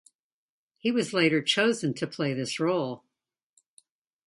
He was later chosen to play this role.